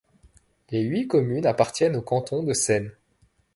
Les huit communes appartiennent au canton de Seyne.